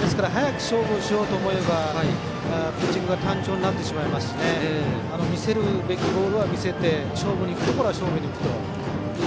ですから早く勝負しようと思えばピッチングが単調になってしまいますし見せるべきボールは見せて勝負に行くところは勝負に行くという。